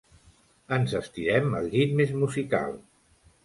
Ens estirem al llit més musical.